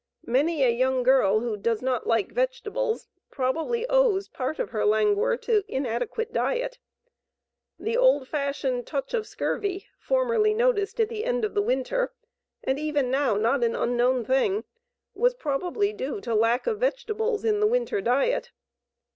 Many a young girl who "does not like vegetables" probably owes part of her languor to inadequate diet. The old fashioned "touch of scurvy" formerly noticed at the end of the winter and even now not an unknown thing, was probably due to lack of vegetables in the winter diet.